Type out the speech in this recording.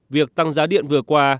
việc tăng giá điện vừa qua